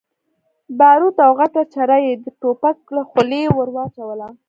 باروت او غټه چره يې د ټوپک له خولې ور واچوله.